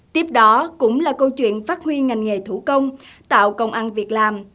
tiếp đó cũng là câu chuyện phát huy ngành nghề thủ công tạo công ăn việc làm